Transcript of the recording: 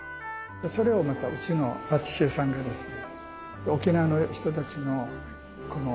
それをうちのパティシエさんがですね